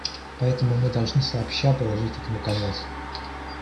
Поэтому мы должны сообща положить этому конец.